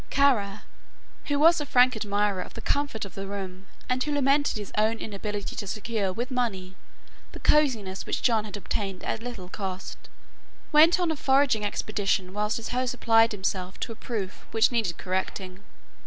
Kara, who was a frank admirer of the comfort of the room and who lamented his own inability to secure with money the cosiness which John had obtained at little cost, went on a foraging expedition whilst his host applied himself to a proof which needed correcting.